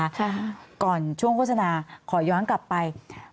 ค่ะก่อนช่วงโฆษณาขอย้อนกลับไป